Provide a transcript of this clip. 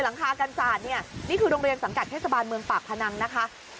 หลังคากันศาสตร์เนี่ยนี่คือโรงเรียนสังกัดเทศบาลเมืองปากพนังนะคะ